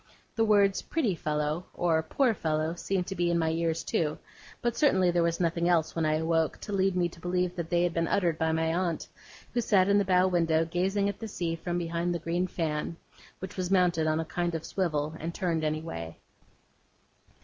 The words, 'Pretty fellow,' or 'Poor fellow,' seemed to be in my ears, too; but certainly there was nothing else, when I awoke, to lead me to believe that they had been uttered by my aunt, who sat in the bow window gazing at the sea from behind the green fan, which was mounted on a kind of swivel, and turned any way.